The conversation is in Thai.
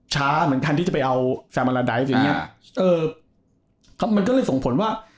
ช้าเหมือนกันที่จะไปเอาอย่างเงี้ยเอ่อมันก็เลยส่งผลว่า